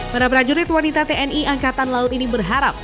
para prajurit wanita tni angkatan laut ini berharap